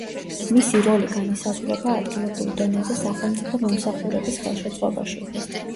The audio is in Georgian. მისი როლი განისაზღვრება ადგილობრივ დონეზე სახელმწიფო მომსახურების ხელშეწყობაში.